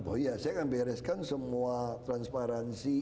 oh iya saya akan bereskan semua transparansi